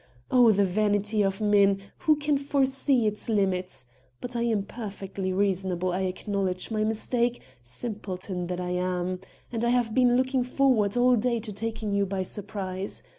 Oh, the vanity of men! Who can foresee its limits! But I am perfectly reasonable, I acknowledge my mistake simpleton that I am!... And I have been looking forward all day to taking you by surprise.